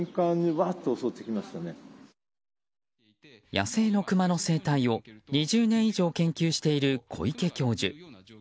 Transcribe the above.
野生のクマの生態を２０年以上研究している小池教授。